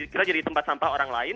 kita jadi tempat sampah orang lain